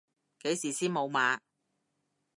幾時先無碼？